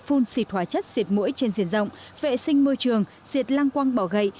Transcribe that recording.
phun xịt hóa chất diệt mũi trên diện rộng vệ sinh môi trường diệt lang quang bỏ gậy